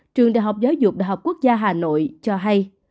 trường đại học giáo dục đại học quốc gia hà nội cho hay